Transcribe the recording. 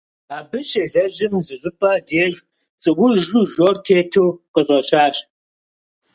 Абы щелэжьым зыщӏыпӏэ деж цӏуужу жор тету къыщӏэщащ.